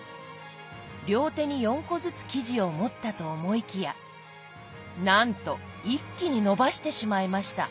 両手に４個ずつ生地を持ったと思いきやなんと一気に伸ばしてしまいました。